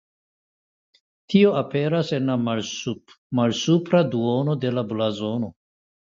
Tio aperas en la malsupra duono de la blazono.